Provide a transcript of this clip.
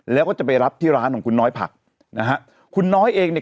แล้วก็จะไปรับที่ร้านของคุณน้อยผักนะฮะคุณน้อยเองเนี่ย